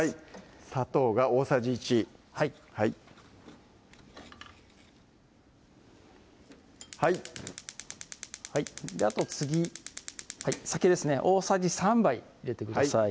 砂糖が大さじ１はいはいはいあと次酒ですね大さじ３杯入れてください